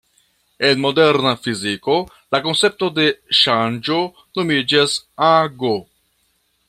En moderna fiziko, la koncepto de ŝanĝo nomiĝas ago.